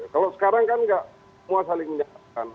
kalau sekarang kan nggak semua saling menyalahkan